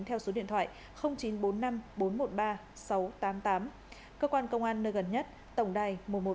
theo số điện thoại chín trăm bốn mươi năm bốn trăm một mươi ba sáu trăm tám mươi tám cơ quan công an nơi gần nhất tổng đài một trăm một mươi ba